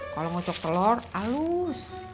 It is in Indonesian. kalau ngocok telur halus